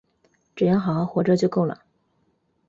只要好好活着就够了